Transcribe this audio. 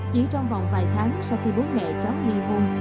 chỉ trong vòng vài tháng sau khi bố mẹ cháu ly hôn